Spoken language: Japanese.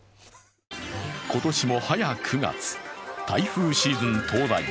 今年も早９月、台風シーズン到来。